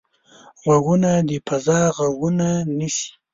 غوږونه د فضا غږونه نیسي